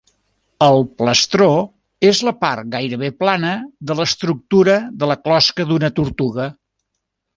El plastró és la part gairebé plana de l'estructura de la closca d'una tortuga.